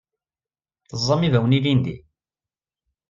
Teẓẓam ibawen ilindi?